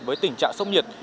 với tình trạng sốc nhiệt